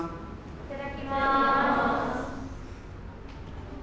いただきます。